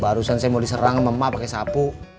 barusan saya mau diserang sama emak pake sapu